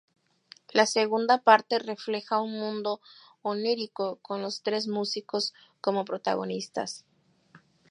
La segunda parte refleja un mundo onírico con los tres músicos como protagonistas.